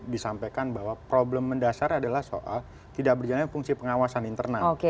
disampaikan bahwa problem mendasar adalah soal tidak berjalannya fungsi pengawasan internal